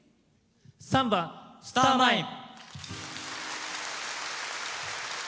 ３番「スターマイン」。